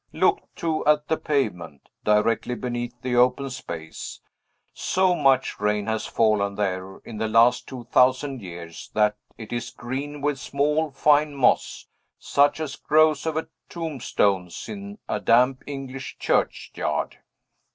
Look, too, at the pavement, directly beneath the open space! So much rain has fallen there, in the last two thousand years, that it is green with small, fine moss, such as grows over tombstones in a damp English churchyard."